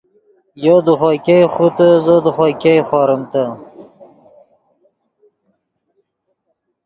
یو دے خوئے ګئے خوتے زو دے خوئے ګئے خوریمتے